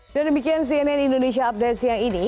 dan demikian cnn indonesia update siang ini